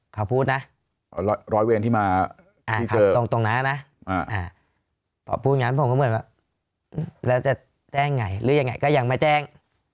เขาพูดนะตรงนั้นนะพอพูดงั้นผมก็เหมือนว่าแล้วจะแจ้งไงหรือยังไงก็ยังมาแจ้ง